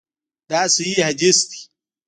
دا صحیح حدیث دی.